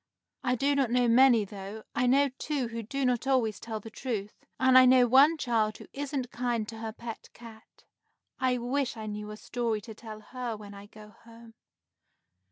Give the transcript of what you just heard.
"I do not know many, though. I know two who do not always tell the truth; and I know one child who isn't kind to her pet cat. I wish I knew a story to tell her when I go home."